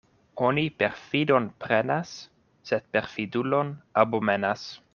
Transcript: Oni perfidon prenas, sed perfidulon abomenas.